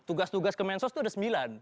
tugas tugas kemensos itu ada sembilan